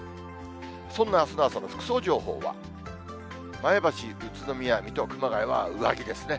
そんなあすの朝の服装情報は、前橋、宇都宮、水戸、熊谷は上着ですね。